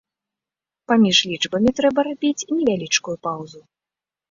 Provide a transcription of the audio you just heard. Паміж лічбамі трэба рабіць невялічкую паўзу.